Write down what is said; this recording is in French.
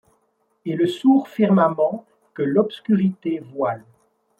Et le sourd firmament que l’obscurité voile